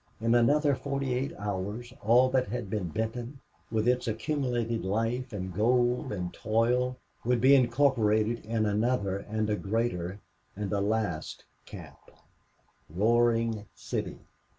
In another forty eight hours all that had been Benton, with its accumulated life and gold and toil, would be incorporated in another and a greater and a last camp Roaring City.